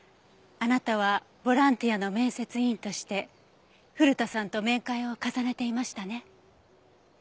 あなたはボランティアの面接委員として古田さんと面会を重ねていましたね？